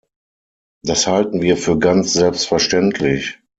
Das halten wir für ganz selbstverständlich.